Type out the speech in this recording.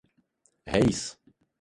Haase.